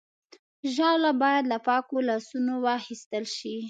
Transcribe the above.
ژاوله باید له پاکو لاسونو واخیستل شي.